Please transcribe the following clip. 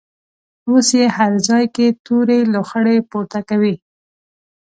اوس یې هر ځای کې تورې لوخړې پورته کوي.